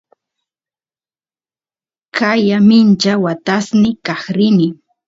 qaya mincha watasniy kaq rin